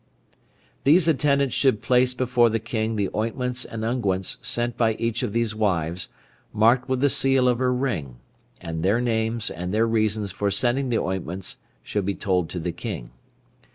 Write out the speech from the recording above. These attendants should place before the King the ointments and unguents sent by each of these wives, marked with the seal of her ring, and their names and their reasons for sending the ointments should be told to the King.